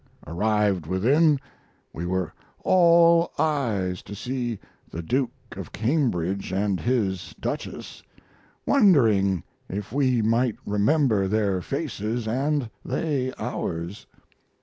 Arrived within, we were all eyes to see the Duke of Cambridge and his Duchess, wondering if we might remember their faces and they ours.